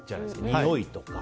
においとか。